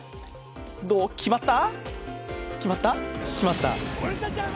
どう、決まった？